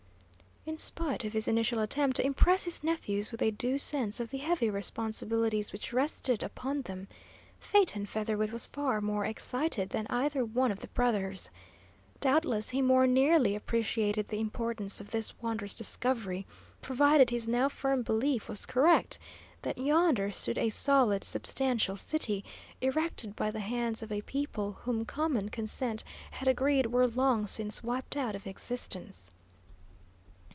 In spite of his initial attempt to impress his nephews with a due sense of the heavy responsibilities which rested upon them, Phaeton Featherwit was far more excited than either one of the brothers. Doubtless he more nearly appreciated the importance of this wondrous discovery, provided his now firm belief was correct, that yonder stood a solid, substantial city, erected by the hands of a people whom common consent had agreed were long since wiped out of existence.